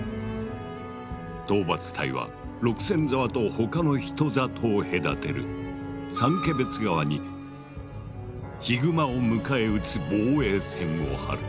討伐隊は六線沢と他の人里を隔てる三毛別川にヒグマを迎え撃つ防衛線を張る。